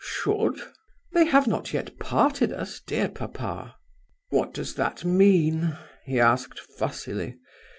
"Should?" "They have not yet parted us, dear papa." "What does that mean?" he asked, fussily.